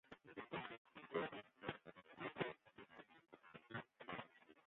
Ik bin warch.